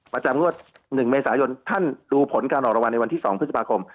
ประจำงวด๑เมษายนท่านดูผลการออกรางวัลในวันที่๒พฤษภาคม